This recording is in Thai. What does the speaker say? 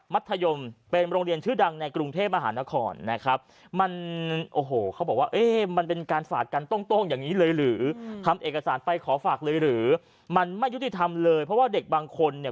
มันไม่ยุติธรรมเลยเพราะว่าเด็กบางคนเนี่ย